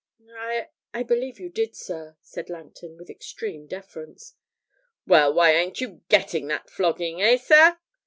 'I I believe you did, sir,' said Langton with extreme deference. 'Well, why ain't you getting that flogging eh, sir?